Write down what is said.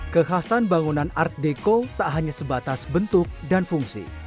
kekhasan bangunan art deco tak hanya sebatas bentuk dan fungsi